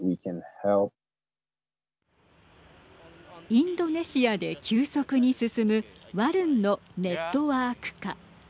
インドネシアで急速に進むワルンのネットワーク化。